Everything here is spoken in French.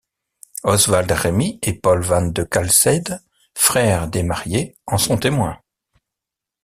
Oswald Remy et Paul Van de Calseyde, frères des mariés, en sont témoins.